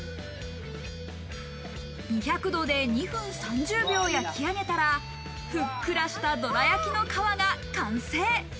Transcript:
２００度で２分３０秒焼き上げたら、ふっくらしたどら焼きの皮が完成。